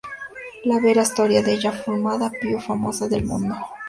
La vera storia della formula più famosa del mondo"